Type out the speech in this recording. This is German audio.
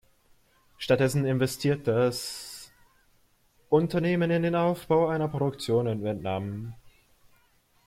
Stattdessen investiert das Unternehmen in den Aufbau einer Produktion in Vietnam.